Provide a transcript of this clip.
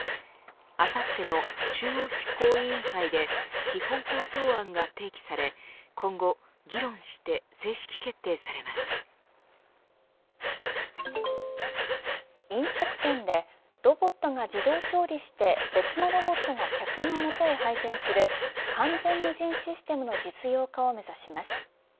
あさっての中央執行委員会で基本構想案が提起され今後、議論して飲食店でロボットが自動調理して別のロボットが客の下へ配膳する完全無人システムの実用化を目指します。